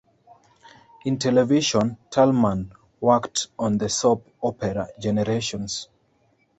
In television, Tallman worked on the soap opera, "Generations".